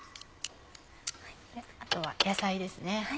あとは野菜ですね。